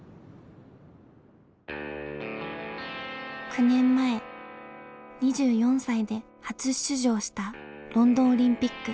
９年前２４歳で初出場したロンドンオリンピック。